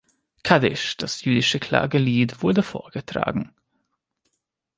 Kaddish, das jüdische Klagelied, wurde vorgetragen.